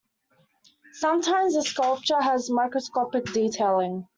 Sometimes the sculpture has microscopic detailing.